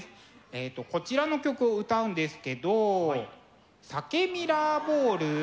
えっとこちらの曲を歌うんですけど「鮭ミラーボール」。